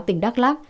tỉnh đắk lắc